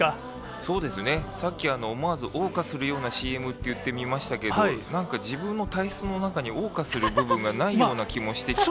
そうですね、さっき、思わずおう歌するようなＣＭって言ってみましたけど、なんか自分の体質の中におう歌する部分がないような気もしてきて。